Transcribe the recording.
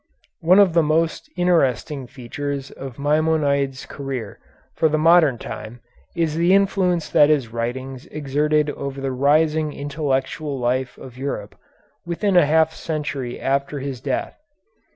One of the most interesting features of Maimonides' career for the modern time is the influence that his writings exerted over the rising intellectual life of Europe within a half century after his death.